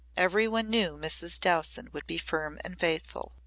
Every one knew Mrs. Dowson would be firm and faithful.